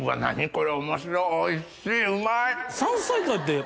これ面白っおいしいうまい！